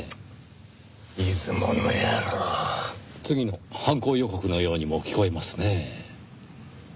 次の犯行予告のようにも聞こえますねぇ。